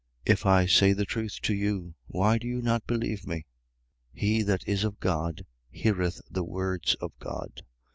If I say the truth to you, why do you not believe me: 8:47. He that is of God heareth the words of God.